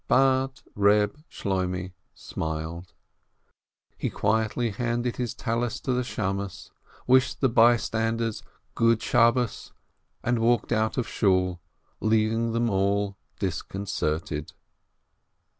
But Eeb Shloimeh smiled. He quietly handed his prayer scarf to the beadle, wished the bystanders "good Sabbath," and walked out of Shool, leaving them all disconcerted.